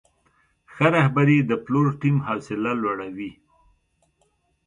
ښه رهبري د پلور ټیم حوصله لوړوي.